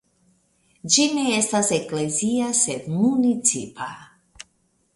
Ĝi ne estas eklezia sed municipa.